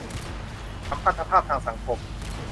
สัมพันธภาพทางสังคม